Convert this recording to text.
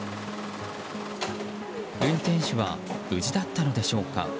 運転手は無事だったのでしょうか。